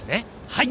はい。